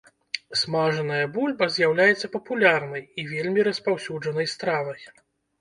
Смажаная бульба з'яўляецца папулярнай і вельмі распаўсюджанай стравай.